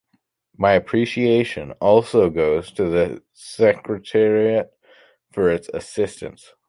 My appreciation also goes to the Secretariat for its assistance.